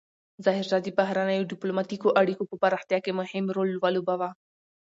ظاهرشاه د بهرنیو ډیپلوماتیکو اړیکو په پراختیا کې مهم رول ولوباوه.